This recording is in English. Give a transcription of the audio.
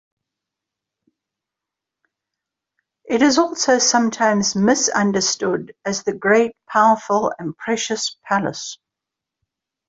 It is also sometimes misunderstood as the "Great, Powerful, and Precious Palace".